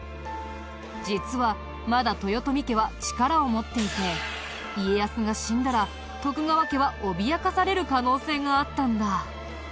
実はまだ豊臣家は力を持っていて家康が死んだら徳川家は脅かされる可能性があったんだ。